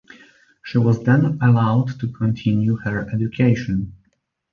She was then allowed to continue her education.